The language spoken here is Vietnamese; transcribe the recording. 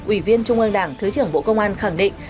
ủy viên trung ương đảng thứ trưởng bộ công an khẳng định